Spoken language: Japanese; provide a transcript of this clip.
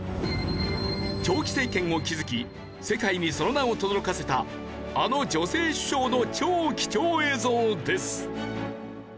長期政権を築き世界にその名をとどろかせたあの女性首相の超貴重映像です。